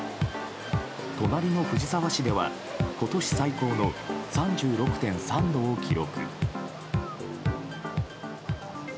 隣の藤沢市では今年最高の３６．３度を記録。